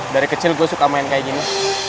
dari kecil gue suka main kayak gini